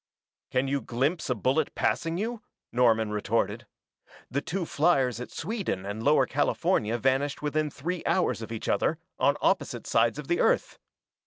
"Can you glimpse a bullet passing you?" Norman retorted. "The two fliers at Sweden and Lower California vanished within three hours of each other, on opposite sides of the Earth.